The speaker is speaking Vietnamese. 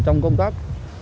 trong công tác